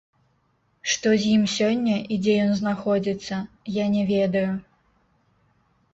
Што з ім сёння і дзе ён знаходзіцца, я не ведаю.